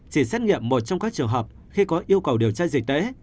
chỉ xét nghiệm một trong các trường hợp khi có yêu cầu điều tra dịch tễ